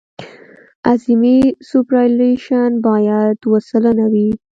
اعظمي سوپرایلیویشن باید اوه سلنه وي